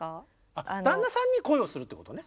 あ旦那さんに恋をするってことね。